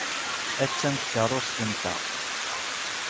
Attan tkeṛṛust-nteɣ.